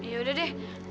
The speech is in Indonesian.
ya udah deh